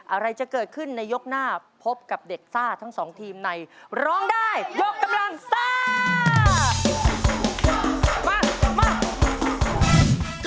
อะไรจะเกิดขึ้นในยกหน้าพบกับเด็กซ่าทั้งสองทีมในร้องได้ยกกำลังซ่ามา